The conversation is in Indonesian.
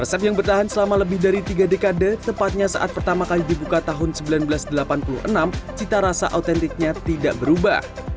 resep yang bertahan selama lebih dari tiga dekade tepatnya saat pertama kali dibuka tahun seribu sembilan ratus delapan puluh enam cita rasa autentiknya tidak berubah